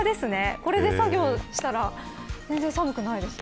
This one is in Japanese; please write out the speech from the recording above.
これで作業したら全然寒くないですね。